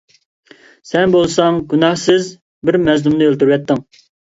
سەن بولساڭ گۇناھسىز بىر مەزلۇمنى ئۆلتۈرۈۋەتتىڭ.